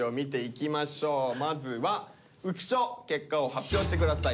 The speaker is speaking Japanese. まずは浮所結果を発表して下さい。